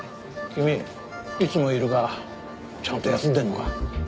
君いつもいるがちゃんと休んでるのか？